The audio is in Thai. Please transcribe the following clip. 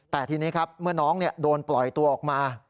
แต่ทีนี้มึงน้องโดนปล่อยตัวออกมา